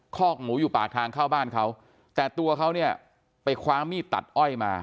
คอกหมูอยู่ปากทางเข้าบ้านเขาแต่ตัวเขาเนี่ยไปคว้ามีดตัดอ้อยมา